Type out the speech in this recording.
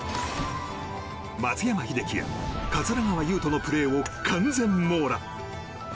松山英樹や桂川有人のプレーを完全網羅。